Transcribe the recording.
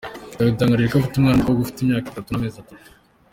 Yadutangarije ko afite umwana w'umukobwa ufite imyaka itatu n'amezi atatu.